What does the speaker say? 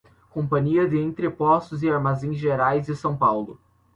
Companhia de Entrepostos e Armazéns Gerais de São Paulo